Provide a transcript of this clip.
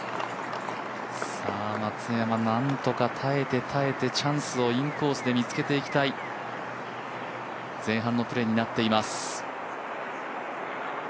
松山、なんとか耐えて、耐えてチャンスをインコースで見つけていきたい前半のプレーになっています。